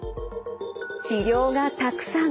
治療がたくさん。